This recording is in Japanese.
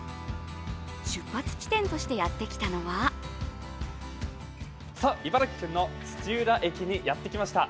出発地点としてやってきたのは茨城県の土浦駅にやってきました。